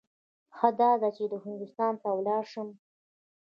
ښه داده چې هندوستان ته ولاړ شم.